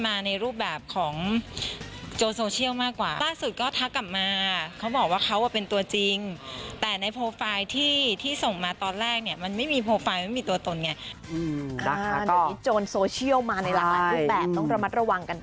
มากกว่าล่าสุดก็ทักกลับมา